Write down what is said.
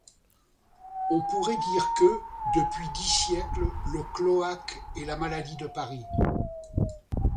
On pourrait dire que, depuis dix siècles, le cloaque est la maladie de Paris.